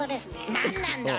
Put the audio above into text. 何なんだろ。